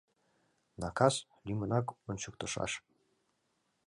Накас, лӱмынак ончыктышаш.